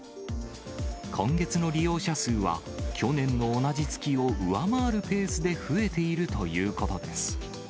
今月の利用者数は、去年の同じ月を上回るペースで増えているということです。